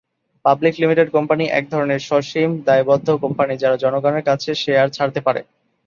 Public limited company একধরনের সসীম দায়বদ্ধ কোম্পানি যারা জনগনের কাছে শেয়ার ছাড়তে পারে।